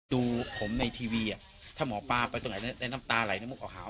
ดูผมในทีวีถ้าหมอปลาไปตรงไหนได้น้ำตาไหลในมุกออกหาว